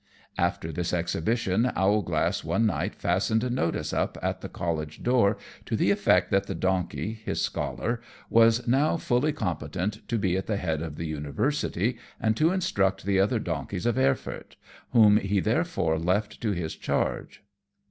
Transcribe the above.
After this exhibition, Owlglass one night fastened a notice up at the college door to the effect that the donkey, his scholar, was now fully competent to be at the head of the university, and to instruct the other donkeys of Erfurt, whom he therefore left to his charge.